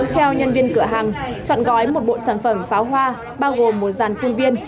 theo nhân viên cửa hàng chọn gói một bộ sản phẩm pháo hoa bao gồm một dàn phun viên